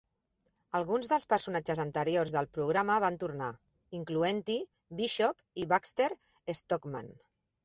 Alguns dels personatges anteriors del programa van tornar, incloent-hi Bishop i Baxter Stockman.